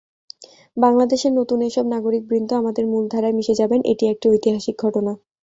বাংলাদেশের নতুন এসব নাগরিকবৃন্দ আমাদের মূলধারায় মিশে যাবেন, এটি একটি ঐতিহাসিক ঘটনা।